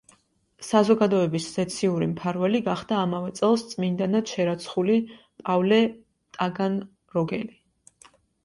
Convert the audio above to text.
საზოგადოების ზეციური მფარველი გახდა ამავე წელს წმინდანად შერაცხული პავლე ტაგანროგელი.